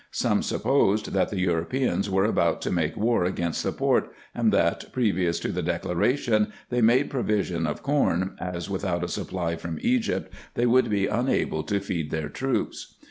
Some supposed, that the Europeans were about to make war against the Porte, and that, previous to the declaration, they made provision of corn, as without a supply from Egypt they would be unable to feed their troops.